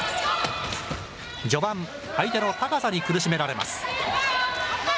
序盤、相手の高さに苦しめられます。